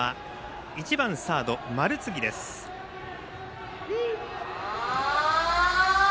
光高校は１番サード、丸次です。